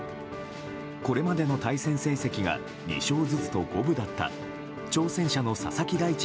これまでの対戦成績が２勝ずつと五分だった挑戦者の佐々木大地